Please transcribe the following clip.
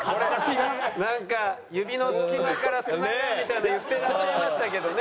なんか指の隙間から砂がみたいな言ってらっしゃいましたけどね。